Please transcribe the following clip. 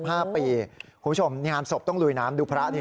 คุณผู้ชมงานศพต้องลุยน้ำดูพระนี่